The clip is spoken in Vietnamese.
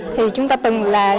thì chúng ta từng là